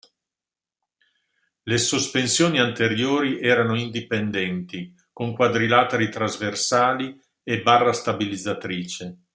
Le sospensioni anteriori erano indipendenti, con quadrilateri trasversali e barra stabilizzatrice.